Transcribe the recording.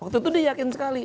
waktu itu dia yakin sekali